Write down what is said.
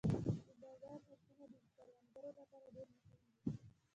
د بازار نرخونه د کروندګر لپاره ډېر مهم دي.